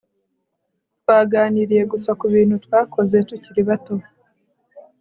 Twaganiriye gusa kubintu twakoze tukiri bato